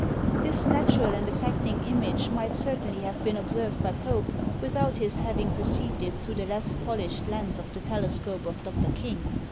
This natural and affecting image might certainly have been observed by Pope, without his having perceived it through the less polished lens of the telescope of Dr. King.